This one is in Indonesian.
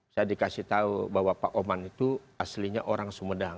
saya dikasih tahu bahwa pak oman itu aslinya orang sumedang